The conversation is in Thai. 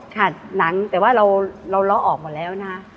หนังแต่ว่าเราล้อออกหมดแล้วนะ